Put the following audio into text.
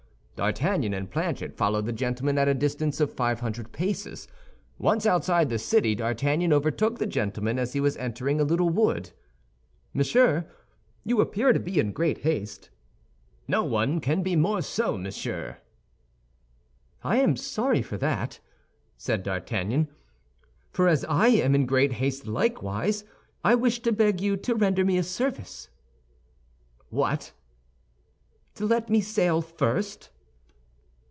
D'Artagnan and Planchet followed the gentleman at a distance of five hundred paces. Once outside the city, D'Artagnan overtook the gentleman as he was entering a little wood. "Monsieur, you appear to be in great haste?" "No one can be more so, monsieur." "I am sorry for that," said D'Artagnan; "for as I am in great haste likewise, I wish to beg you to render me a service." "What?" "To let me sail first."